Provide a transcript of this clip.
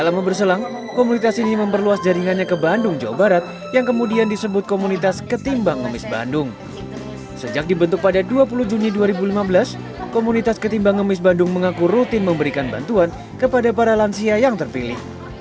lansia yang mengemis bandung mengaku rutin memberikan bantuan kepada para lansia yang terpilih